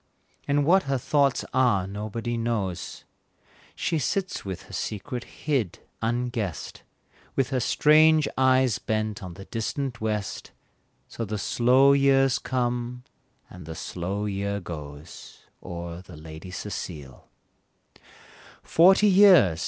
And what her thoughts are nobody knows, She sits with her secret hid, unguessed, With her strange eyes bent on the distant west, So the slow years come, and the slow year goes, O'er the Lady Cecile. Forty years!